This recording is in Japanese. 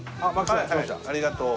はいありがとう。